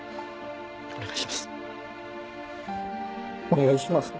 お願いします。